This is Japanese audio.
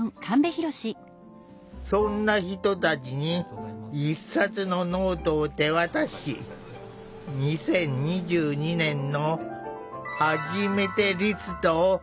そんな人たちに１冊のノートを手渡し２０２２年の「はじめてリスト」を書き出してもらった。